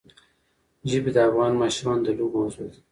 ژبې د افغان ماشومانو د لوبو موضوع ده.